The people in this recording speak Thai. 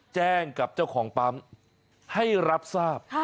แจ้งกับเจ้าของปั๊มให้รับทราบ